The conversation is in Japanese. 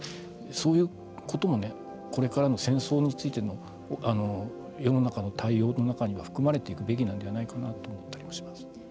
そういうこともこれからの戦争についての世の中の対応の中には含まれていくべきなのかなと思ったりします。